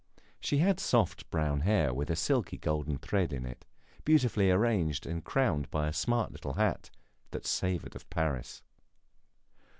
She had soft brown hair, with a silky golden thread in it, beautifully arranged and crowned by a smart little hat that savoured of Paris.